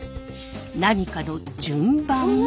何かの順番？